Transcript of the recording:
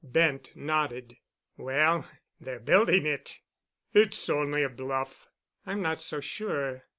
Bent nodded. "Well, they're building it." "It's only a bluff." "I'm not so sure.